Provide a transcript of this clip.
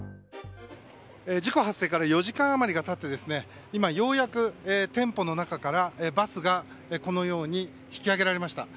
事故発生から４時間余りが経って今ようやく店舗の中からバスがこのように引き上げられました。